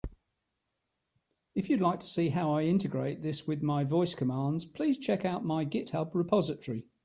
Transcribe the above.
If you'd like to see how I integrate this with my voice commands, please check out my GitHub repository.